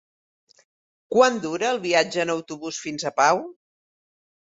Quant dura el viatge en autobús fins a Pau?